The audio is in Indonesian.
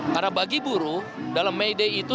karena bagi buruh dalam mayday itu